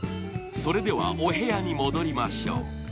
それではお部屋に戻りましょう。